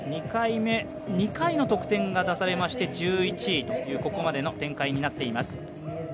回目、２回の得点が出されまして１１位というここまでの展開になっています。